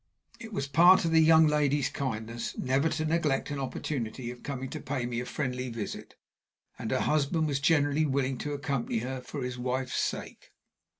It was part of the young lady's kindness never to neglect an opportunity of coming to pay me a friendly visit, and her husband was generally willing to accompany her for his wife's sake.